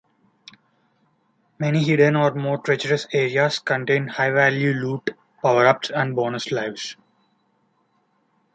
Many hidden or more treacherous areas contain high-value loot, power-ups and bonus lives.